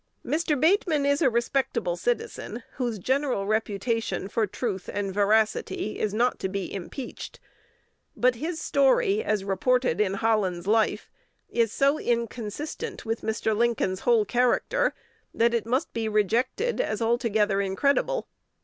Mr. Bateman is a respectable citizen, whose general reputation for truth and veracity is not to be impeached; but his story, as reported in Holland's Life, is so inconsistent with Mr. Lincoln's whole character, that it must be rejected as altogether incredible.